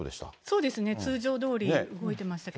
そうですね、通常どおり動いてましたけど。